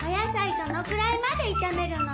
どのぐらいまで炒めるの？